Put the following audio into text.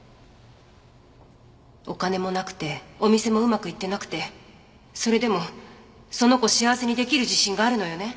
お金もなくてお店もうまくいってなくてそれでもその子幸せに出来る自信があるのよね？